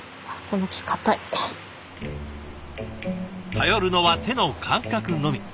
頼るのは手の感覚のみ。